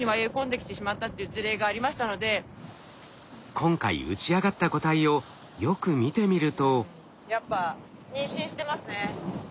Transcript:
今回打ち上がった個体をよく見てみると。